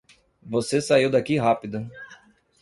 Você sai daqui rápido.